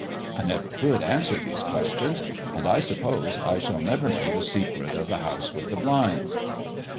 I never could answer these questions, and I suppose I shall never know the secret of "The House With the Blinds."